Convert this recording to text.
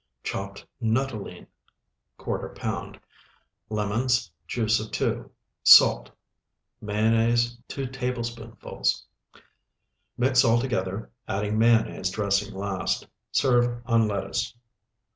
Chopped nuttolene, ¼ pound. Lemons, juice of 2. Salt. Mayonnaise, 2 tablespoonfuls. Mix all together, adding mayonnaise dressing last. Serve on lettuce.